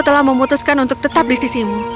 telah memutuskan untuk tetap di sisimu